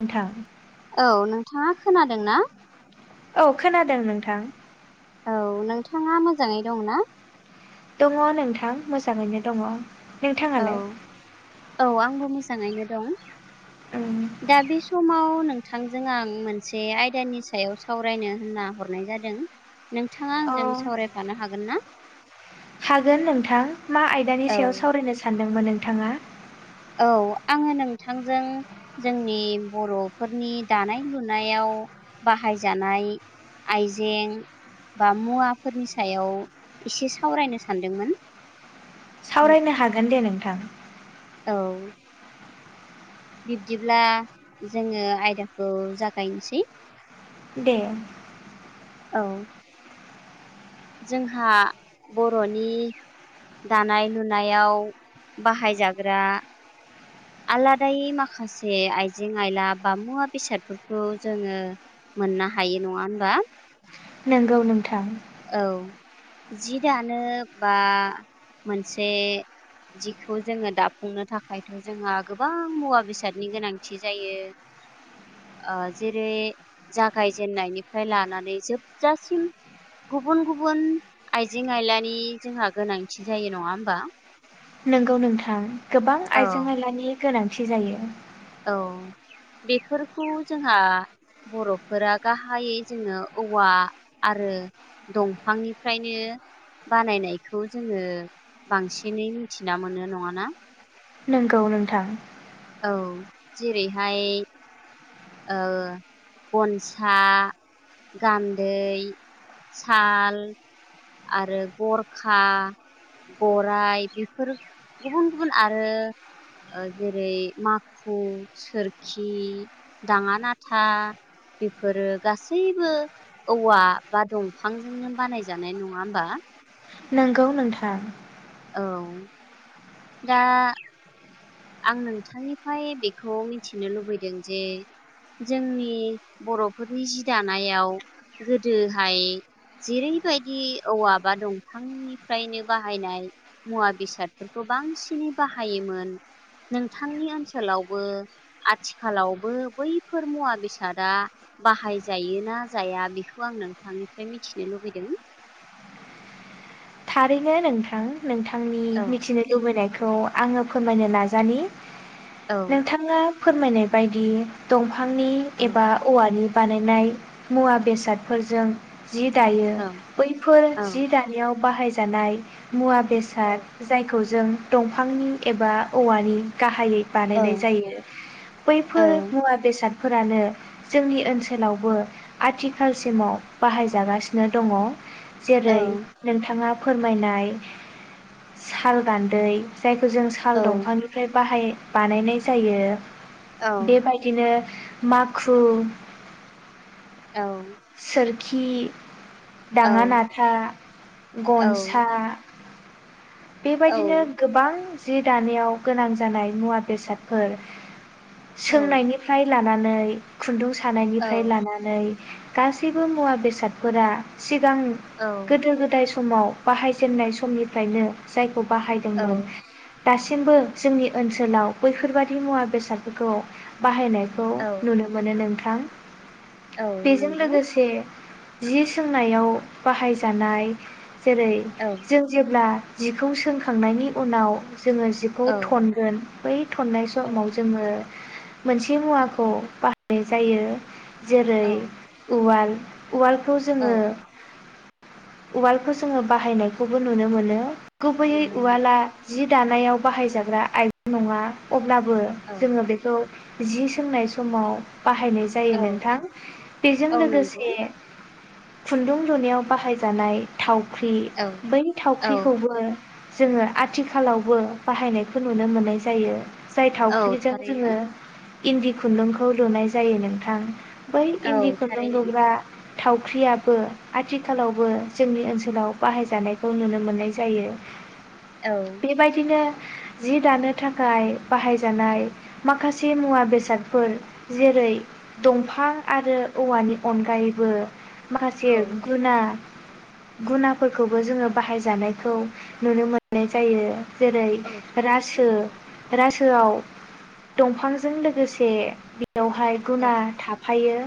नोंथां। औ नोंथाङा खोनादों ना? औ खोनादों नोंथां। औ नोंथाङा मोजाङै दङ ना? दङ नोंथां मोजाङैनो दङ। औ नोंथाङालाय औ आंबो मोस मोजाङैनो दं। उम दा बे समाव नोंथांजों आं मोनसे आयदानि सायाव सावरायनो होनना हरनाय जादों नोंथाङा अ आंजों सावरायफानो हागोनना? हागोन नोंथां। मा आयदानि सायाव सावरायनो सानो? दोंमोन नोंथाङा। औ आङो नोंथांजों जोंनि बर'फोरनि दानाय लुनायाव बाहायजानाय आइजें बा मुवाफोरनि सायाव एसे सावरायनो सानदोंमोन । सावरायनो हागोन दे नोंथां। औ। बिब्दिब्ला जोङो आयदाखौ जागायनोसै । दे। औ। जोंहा बर'नि दानाय लुनायाव बाहायजाग्रा आलादायै माखासे आइजें आयला बा मुवा बेसादफोरखौ जोङो मोननो हायो नङा होनबा? नंगौ नोंथां। औ जि दानो बा मोनसे जिखौ जोङो दाफुंनो थाखायथ' जोंहा गोबां मुवा बेसादनि गोनांथि जायो ओ जेरै जागायजेननायनिफ्राय लानानै जोबजासिम गुबुन गुबुन आइजें आइलानि जोंहा गोनांथि जायो नङा होमबा? नंगौ नोंथां। गोबां औ आइजो आयलानि गोनांथि जायो। औ बेफोरखौ जोंहा बर'फोरा गाहायै जोङो औवा आरो दंफांनिफ्रायनो बानायनायखौ जोङो बांसिनै मिथिना मोनो नङाना? नंगौ नोंथां । औ जेरैहाय ओ गनसा गान्दै साल आरो गरखा गराय बेफोर गुबुन गुबुन आरो ओ जेरै माखु सोरखि दाङा नाथा बेफोरो गासैबो औवा बा दंफांजोंनो बानायजा नाय नङा होमबा? नंगौ नोंथां । औ । दा आं नोंथांनिफ्राय बेखौ मिथिनो लुबैदों जे जोंनि बर'फोरनि जि दानायाव गोदोहाय जेरैबायदि औवा बा दंफांनिफ्रायनो बाहायनाय मुवा बेसादफोरखौ बांसिनै बाहायोमोन । नोंथांनि ओनसोलावबो आथिखालावबो थारैनो नोंथां । नोंथांनि औ मिथिनो लुबैनायखौ आङो फोरमायनो नाजानि औ नोंथाङा फोरमायनाय बायदि दंफ फांनि औ एबा औवानि बानायनाय मुवा बेसादफोरजों जि दायो औ बैफोर जि दानायाव बाहाय जानाय मुवा बेसाद जायखौ जों दंफांनि एबा औवानि गाहायै औ बानायनाय जायो औ बैफोर मुवा बेसाद फोरानो जोंनि ओनसोलावबो आथिखालसिमाव बाहायजागासिनो दङ । जेरै नोंथाङा फोरमायनाय साल गान्दै जायखौ जों साल औ दंफांनिफ्राय बाहाय बानायनाय जायो । औ बेबायदिनो माखु औ । खि दाङा नाथा औ गनसा बेबायदिनो औ गोबां जि दानायाव गोनां जानाय मुवा बेसादफोर औ सोंनायनिफ्राय लान नानै खुन्दुं सो औ थानायनिफ्राय लानानै गासैबो मुवा बेसादफोरा सिगां औ गोदो गोदाय [unintelligible] समाव बाहायजेननाय समनिफ्रायनो। [unintelligible] [unintelligible] बाहायदोंमोन। औ दासिमबो जोंनि ओनसोलाव बैफोरबादि मुवा बेसादफोरखौ बाहायनाय औ [unintelligible] नुनो मोनो नोंथां औ [unintelligible] बेजों नंगौ लोगोसे जि सोंनायाव बाहायजानाय जेरै औ जों जेब्ला जिखौ सोंखांनायनि उनाव जोङो जिखौ औ थनगोन बै थननाय औ समाव जोङो मोनसे मुवाखौ बाहायनाय जायो। जेरै औ उवाल। उवालखौ जोङो औ उवालखौ जोङो बाहायनायखौबो नुनो मोनो। गुबैयै नुनो मोनो उवाला जि दानायाव बाहाय जाग्रा आइजें नङा अब्लाबो [unintelligible] औ जोङो बेखौ जि सोंनाय समाव बाहायनाय जायो औ नोंथां बेजों औ नंगौ लोगोसे खुन्दुं लुनायाव बाहायजानाय थाव थावख्रि औ बै औ थावख्रिखौबो जोङो आथिखालावबो बाहायनायखौ नुनो मोननाय जायो। जाय औ थावख्रिजों थारैनो जोङो इन्दि खुन्दुंखौ लुनाय जायो नोंथां। बै औ इन्दिखौ थारैनो लुग्रा। थावख्रियाबो आथिखालावबो जोंनि ओनसोलाव बाहायजानायखौ नुनो मोननाय जायो। औ बेबायदिनो जि दानो थाखाय बाहायजानाय माखासे मुवा बेसादफोर जेरै दंफां आरो औवानि अनगायैबो औ माखासे गुना गुनाफोरखौबो जोङो बाहायजानाय खौ नुनो मोननाय जायो। जेरै औ थारै रासो रासोआव दंफांजों लोगोसे बेवहाय औ गुना था थायो।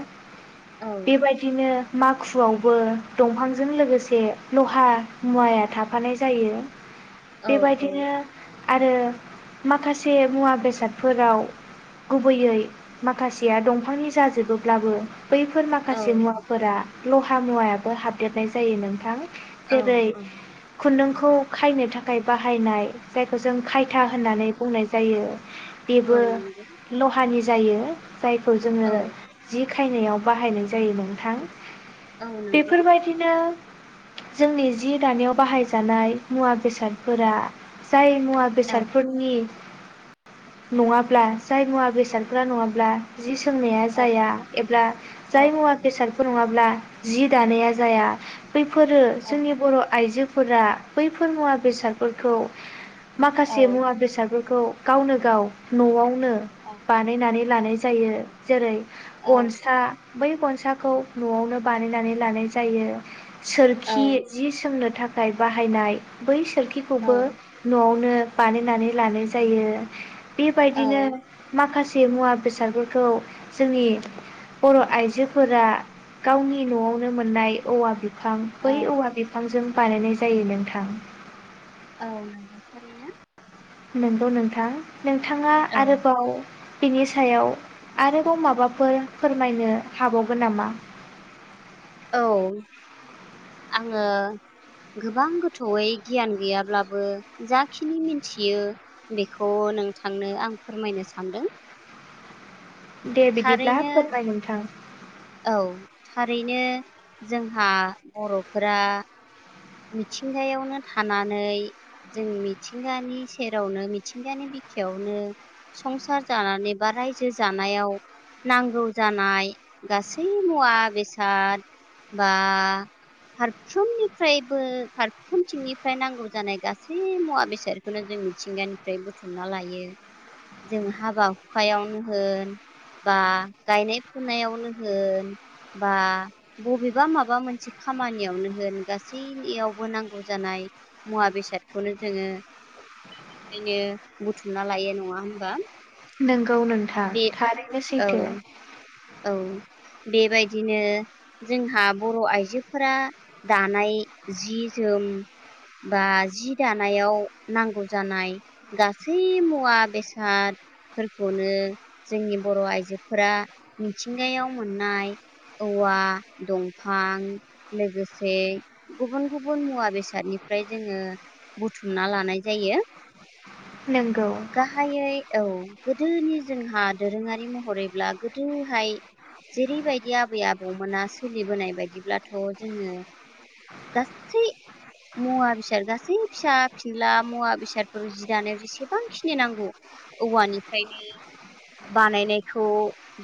औ बेबायदिनो माखुआवबो दंफांजों लोगोसे लहा मुवाया थाब फानाय जायो। औ औ बेबायदिनो आरो माखासे मुवा बेसादफोराव गुबैयै माखासेया दंफांनि जाजोबोब्लाबो बैफोर औ माखासे मुवाफोरा लहा मुवायाबो हाबदेरनाय जायो नोंथां। औ औ। खुनदोंखौ खायनो थाखाय बाहायनाय जायखौ जों खायथा होननानै बुंनाय जायो। बेबो औ नंगौ लहानि जायो। जायखौ औ जोङो जि खायनायाव बाहायनाय जायो नोंथां। औ नंगौ बेफोरबायदिनो जोंनि जि दानायाव बाहाय जानाय मुवा बेसादफोरा जाय मुवा औ बेसादफोरनि नङाब्ला जाय मुवा बेसादफ्रा नङाब्ला जि सोंनाया औ जाया एब्ला औ जाय मुवा बेसाद फोर नङाब्ला जि दानाया जाया। बैफोरो जोंनि बर' आइजो फोरा बैफोर मुवा बेसादफोरखौ औ माखासे मुवा बेसादफोर खौ गावनो गाव न'आव नो बानायनानै लानाय जायो। जेरै गनसा बै गनसाखौ न'आवनो बानायनानै लानाय जायो । औ सोरखि जि जोंनो थाखाय बाहायनाय बै औ सोरखिखौबो न'आवनो बानायनानै लानाय जायो । औ बेबायदिनो माखासे से मुवा बेसादफोरखौ जोंनि बर' आइजोफोरा गावनि न'आवनो मोननाय औवा बि फां बै औवा बिफां बानायनाय जायो नोंथां । औ नंगौ थारैनो । नंगौ नोंथां । नोंथाङा औ आरोबाव बिनि सायाव आरोबाव माबाफोर फोरमायनो हाबावगोन नामा? औ आंङो गोबां गोथौयै गियान गैयाब्लाबो जाखिनि मिनथियो बेखौ नोंथांनो आं फोरमायनो सानदों । दे बिदिब्ला फोरमाय नोंथां । औ थारैनो जोंहा बर'फोरा मिथिंगायावनो थानानै जों मिथिंगानि सेरावनो मिथिंगानि बिखायावनो संसार जानानै बा रायजो जानायाव नांगौ जानाय गासै मुवा बेसाद बा फारफ्रोमनि फ्रायबो फारफ्रुनथिंनिफ्राय नांगौ जानाय गासै मुवा बेसादखौनो जों मिथिंगानिफ्राय बुथुमना लायो जों हाबा हुखायावनो होन बा गायनाय फुनायावनो होन बा बबेबा माबा मोनसे खामानियावनो होन गासै गासैनियावबो नांगौ जानाय मुवा बेसादखौनो जोङो बेनिफ्रायनो बुथुमना लायो नङा होमबा? नों गौ नोंथां थारैनो औ सैथो । औ बे बेबायदिनो जोंहा बर' आइजोफोरा दानाय जि जोम बा जि दानायाव नांगौ जानाय गासै मुवा बेसादफोरखौनो जोंनि बर' आइजोफोरा मिथिंगायाव मोननाय औवा दंफां लोगोसे गुबुन गुबुन मुवा बेसादनिफ्राय जोङो बुथुमना लानाय जायो । नंगौ गाहायै औ गोदोनि जोंहा दोरोङारि महरैब्ला गोदोहाय जेरैबायदि आबै आबौमोना सोलिबोनाय बायदिब्ला थ' जोङो गासै मुवा बेसाद गासै फिसा फिनला मुवा बेसादफोर जि दानायाव जेसेबांखिनि नांगौ औवानिफ्रायनो बानायनायखौ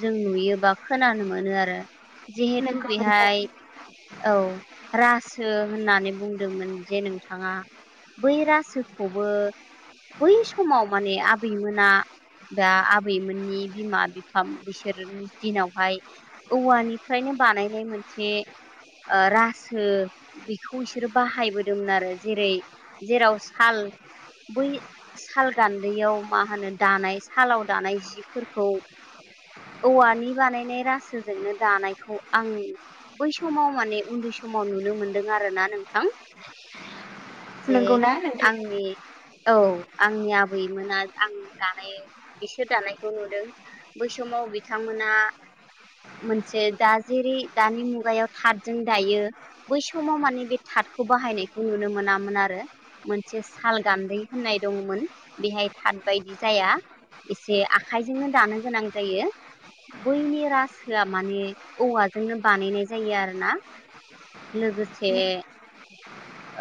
जों नुयोबा खोनानो मोनो आरो । जिहेथु नंगौ नोंथां बेहाय औ राज सो होननानै बुंदोंमोन जे नोंथाङा बै रासोखौबो बै समाव माने आबैमोना दा आबैमोननि बिमा बिफा बैसोरनि दिनावहाय औवानिफ्रायनो बानायनाय मोनसे ओ रासो बेखौ बिसोरो बाहायबोदोंमोन आरो जेरै जेराव साल बै साल गान्दैयाव मा होनो दानाय सालाव दानाय जि फोरखौ औवानि बानायनाय रासोजोंनो दानायखौ आं बै समाव माने उन्दै समाव नुनो मोन दों आरो ना नोंथां जे नंगौना नोंथां आंनि औ आंनि आबैमोना आं दानाय बिसोर दानायखौ नुदों बै समाव बिथांमोना मोनसे दा जेरै दानि मुगायाव थादजों दायो बै सम समाव माने बे थादखौ बाहायनायखौ नुनो मोनामोन आरो मोनसे साल गान्दै होननाय दंमोन बेहाय थाद बायदि जाया एसे आखाइजोंनो दानो गोनां जायो बैनि रासोआ माने औवाजोंनो बानायनाय जायो आरो ना लोगोसे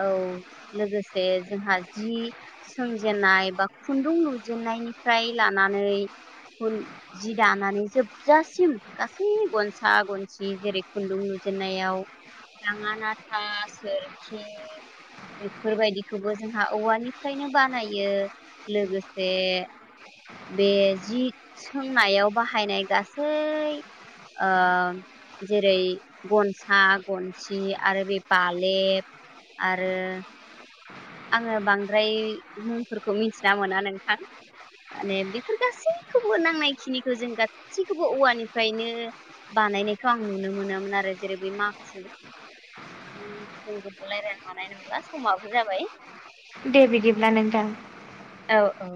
औ लोगोसे जोंहा जि सोंजेन्नाय बा खुन्दुं लुजेनन्नायनिफ्राय लानानै जि दानानै जोबजासिम गासै गनसा गनसि जेरै खुन्दुं लुजेनन्नायाव दाङा नाथा सोर खि बेफोर बायदिखौबो जोंहा औवानिफ्रायनो बानायो लोगोसे बे जि सोंनायाव बाहायनाय गासै ओ जेरै गनसा गनसि आरो बे बालेब आरो आङो बांद्राय मुंफोरखौ मिथिना मोना नोंथां माने बेफोर गासैखौबो नांनायखिनिखौ जों गासैखौबो औवानिफ्रायनो बानायनायखौ आं नुनो मोनामोन आरो जेरै बे माखु जों गोबावलायलायनो हानाय नंला समाबो जाबाय दे बिदिब्ला नोंथां औ औ